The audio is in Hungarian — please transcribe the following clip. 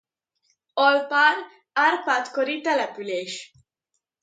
Alpár Árpád-kori település.